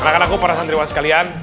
anak anakku para santriwa sekalian